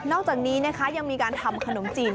อกจากนี้นะคะยังมีการทำขนมจีน